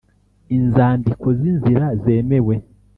Inzandiko z’inzira zemewe